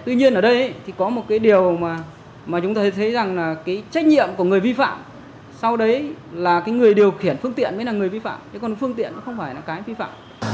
tuy nhiên ở đây thì có một cái điều mà chúng ta thấy rằng là cái trách nhiệm của người vi phạm sau đấy là cái người điều khiển phương tiện mới là người vi phạm thế còn phương tiện nó không phải là cái vi phạm